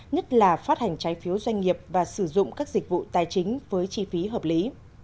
nhất là phát hành trái phiếu doanh nghiệp và sử dụng các dịch vụ tài chính với chi phí hợp lý